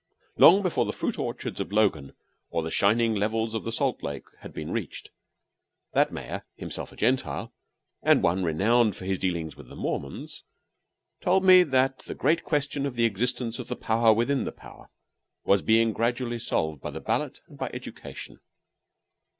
Long before the fruit orchards of Logan or the shining levels of the Salt Lake had been reached, that mayor himself a Gentile, and one renowned for his dealings with the Mormons told me that the great question of the existence of the power within the power was being gradually solved by the ballot and by education.